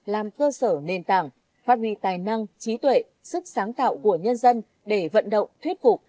làm cơ sở nền tảng phát huy tài năng trí tuệ sức sáng tạo của nhân dân để vận động thuyết phục